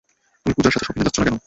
তুমি পূজার সাথে শপিংয়ে যাচ্ছ না কেন?